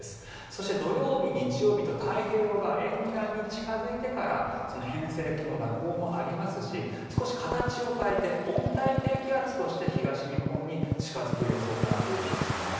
そして土曜日、日曜日と太平洋側沿岸に近付いてから偏西風の蛇行もありますし少し形を変えて温帯低気圧として東日本に近付く予想となっているんですよね。